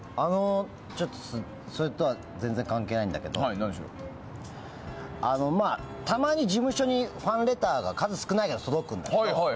ちょっとそれとは全然関係ないんだけどたまに事務所にファンレターが数少ないけど、届くんだけど。